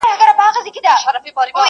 قصیدو ته ځان تیار کړ شاعرانو٫